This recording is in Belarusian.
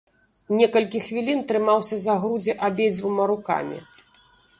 Некалькі хвілін трымаўся за грудзі абедзвюма рукамі.